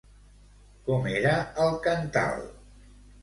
Com era el cantal?